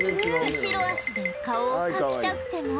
後ろ脚で顔をかきたくても